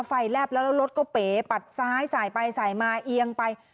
แลบแล้วแล้วรถก็เป๋ปัดซ้ายสายไปสายมาเอียงไป